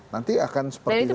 nanti akan seperti itu